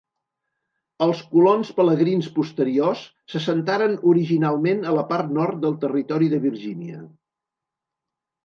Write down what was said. Els colons pelegrins posteriors s'assentaren originalment a la part nord del territori de Virgínia.